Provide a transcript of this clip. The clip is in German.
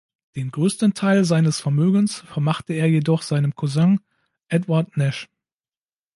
Den größten Teil seines Vermögens vermachte er jedoch seinem Cousin Edward Nash.